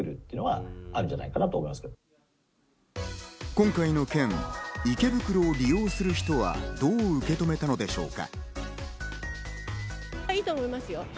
今回の件、池袋を利用する人はどう受け止めたのでしょうか？